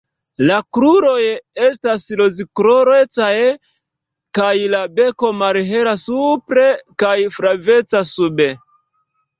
La kruroj estas rozkolorecaj kaj la beko malhela supre kaj flaveca sube.